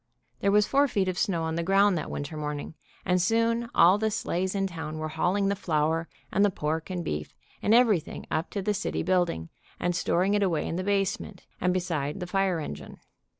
There was four feet of snow on the ground that winter morn ing, and soon all the sleighs in town were hauling the flour and the pork and beef, and everything up to the city building, and storing it away in the base ment, and beside the fire engine.